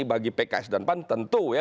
bagi pks dan pan tentu ya